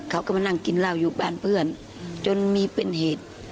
เขาก็มานั่งกินเหล้าอยู่บ้านเพื่อนจนมีเป็นเหตุ